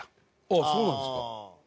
あっそうなんですか？